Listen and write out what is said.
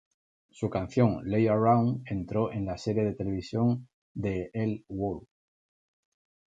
Su canción "Lay Around" entró en la serie de Televisión "the L Word".